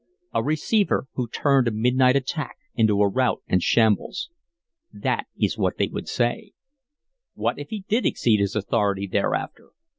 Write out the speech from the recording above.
A receiver who turned a midnight attack into a rout and shambles. That is what they would say. What if he did exceed his authority thereafter?